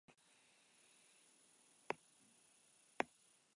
Hizketa-ezagutza hizketa-sintesia baino aurreratuagoa da.